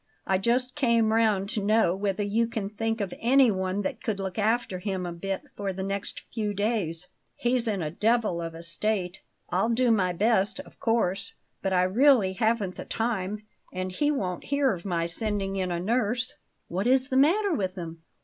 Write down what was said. I just came round to know whether you can think of anyone that could look after him a bit for the next few days. He's in a devil of a state. I'll do my best, of course; but I really haven't the time; and he won't hear of my sending in a nurse." "What is the matter with him?"